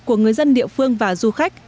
của người dân địa phương và du khách